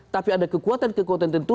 tapi ada kekuatan kekuatan tentu